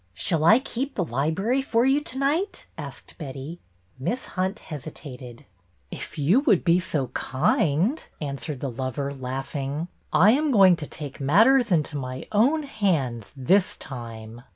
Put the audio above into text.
"Shall I keep the library for you to night?" asked Betty. Miss Hunt hesitated. " If you will be so kind," answered the lover, laughing. " I am going to take matters into my own hands this time."